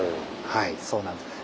はいそうなんです。